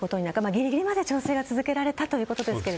ギリギリまで調整が続けられたということですが。